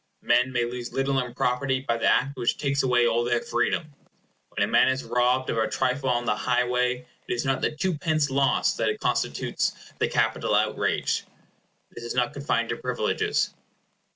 Men may lose little in property by the act which takes away all their freedom. When a man is robbed of a trifle on the highway, it is not the twopence lost that constitutes the capital outrage. This is not confined to privileges.